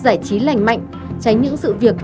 giải trí lành mạnh tránh những sự việc